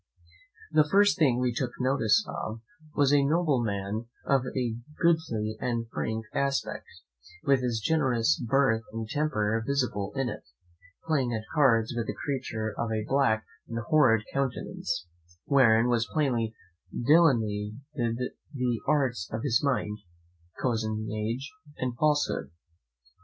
The first thing we took notice of was a nobleman of a goodly and frank aspect, with his generous birth and temper visible in it, playing at cards with a creature of a black and horrid countenance, wherein were plainly delineated the arts of his mind, cozenage, and falsehood.